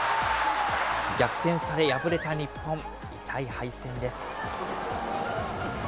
逆転され、敗れた日本、痛い敗戦です。